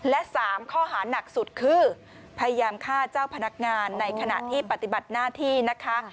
และ๓ข้อหานักสุดคือพยายามฆ่าเจ้าพนักงานในขณะที่ปฏิบัติหน้าที่นะคะ